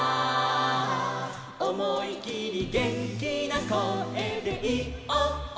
「おもいきりげんきなこえでいおう」